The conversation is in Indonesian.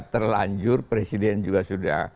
terlanjur presiden juga sudah